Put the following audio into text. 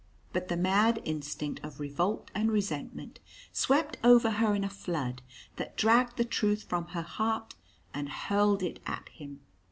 But the mad instinct of revolt and resentment swept over her in a flood that dragged the truth from her heart and hurled it at him.